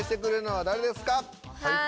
はい！